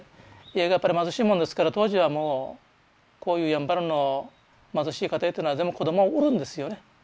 家がやっぱり貧しいもんですから当時はもうこういうやんばるの貧しい家庭っていうのは全部子供を売るんですよね。